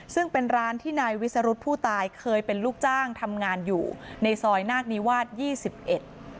ซึ่งเป็นร้านที่นายวิสรุธผู้ตายเคยเป็นลูกจ้างทำงานอยู่ในซอยนาคนิวาสยี่สิบเอ็ด